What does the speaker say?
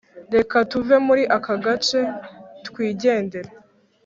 reka tuve muri aka gace twigendere